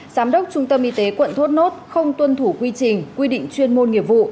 giám đốc trung tâm y tế quận thốt nốt không tuân thủ quy trình quy định chuyên môn nghiệp vụ